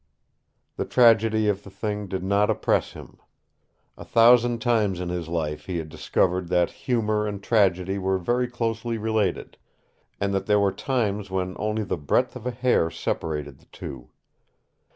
The tragedy of the thing did not oppress him. A thousand times in his life he had discovered that humor and tragedy were very closely related, and that there were times when only the breadth of a hair separated the two.